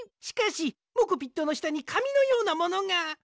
しかしモコピットのしたにかみのようなものが！